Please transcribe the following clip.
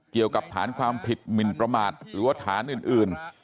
เกี่ยวกับฐานความผิดหมินประมาทหรือว่าฐานอื่น